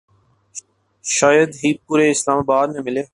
شاید ہی پورے اسلام آباد میں ملے